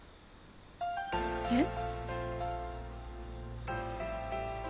えっ？